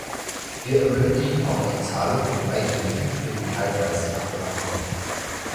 Wir ermöglichen auch die Zahlung von Beihilfen für die teilweise Abwrackung.